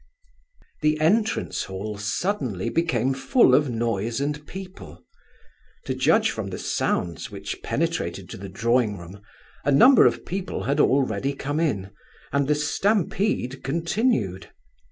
X. The entrance hall suddenly became full of noise and people. To judge from the sounds which penetrated to the drawing room, a number of people had already come in, and the stampede continued.